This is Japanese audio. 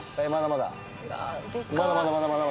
まだまだまだまだまだ。